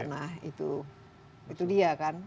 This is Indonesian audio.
nah itu dia kan